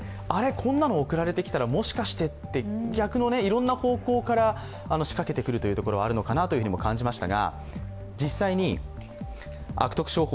こんなの送られてきたらもしかして？って逆のいろんな方向から仕掛けてくることがあるのかなと感じましたが。